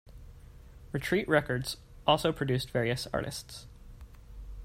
Retreat Records also produced various artists.